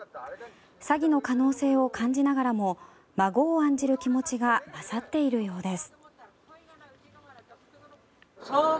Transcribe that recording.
詐欺の可能性を感じながらも孫を案じる気持ちが勝っているようです。